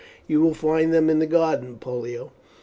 "You will find them in the garden, Pollio.